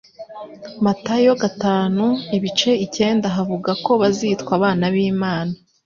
Matayo gatanu ibice icyenda havuga ko bazitwa abana b'Imana